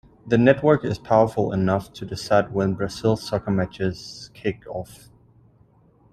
The network is powerful enough to decide when Brazil's soccer matches kick off.